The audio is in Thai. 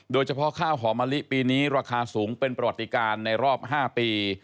โดยเฉพาะข้าวหอมะลิปีนี้ราคาสูงเป็นประวัติการในรอบ๕ปี